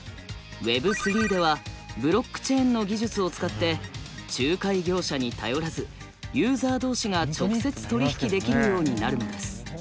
Ｗｅｂ３ではブロックチェーンの技術を使って仲介業者に頼らずユーザー同士が直接取り引きできるようになるのです。